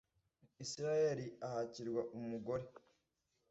Israheli ahakirwa umugore,